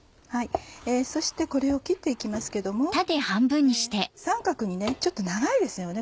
そしてこれを切って行きますけども三角にちょっと長いですよね